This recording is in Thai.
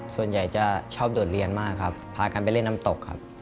ส่วนใหญ่จะชอบโดดเรียนมากครับพากันไปเล่นน้ำตกครับ